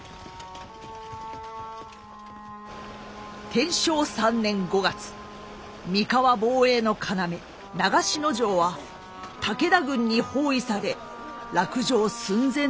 天正３年５月三河防衛の要長篠城は武田軍に包囲され落城寸前でございました。